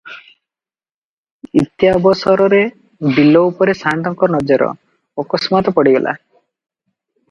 ଇତ୍ୟବସରରେ ବିଲ ଉପରେ ସାଆନ୍ତଙ୍କ ନଜର ଅକସ୍ମାତ ପଡ଼ିଗଲା ।